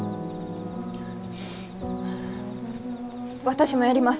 私もやります。